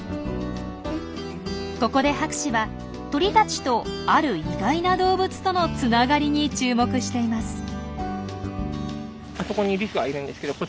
ここで博士は鳥たちとある意外な動物とのつながりに注目しています。